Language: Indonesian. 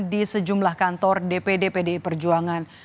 di sejumlah kantor dpd pdi perjuangan